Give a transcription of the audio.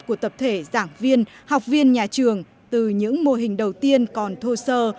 của tập thể giảng viên học viên nhà trường từ những mô hình đầu tiên còn thô sơ